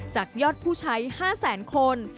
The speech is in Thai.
จากยอดผู้ใช้๕แสนคน